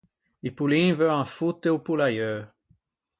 I pollin veuan fotte o pollaieu.